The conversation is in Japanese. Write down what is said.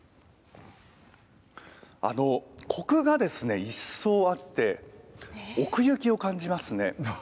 こくが一層あって、奥行きを感じますね。